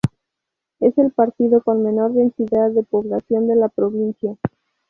Es el Partido con menor densidad de población de la Provincia.